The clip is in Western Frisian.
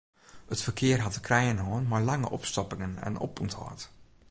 It ferkear hat te krijen hân mei lange opstoppingen en opûnthâld.